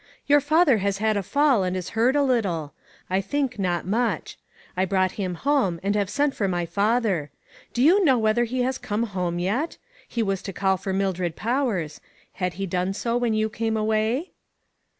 " Your father has had a fall, and is hurt a little ; I think not much. I brought him home, and have sent for my father. Do you know whether he has come home yet ? He was to call for Mildred Powers. Had he done so when you came away